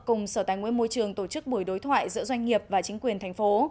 cùng sở tài nguyên môi trường tổ chức buổi đối thoại giữa doanh nghiệp và chính quyền thành phố